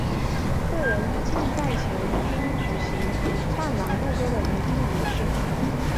客人进寨前均举行唱拦路歌的迎宾仪式。